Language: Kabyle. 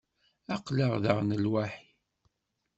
Aql-aɣ daɣen lwaḥi.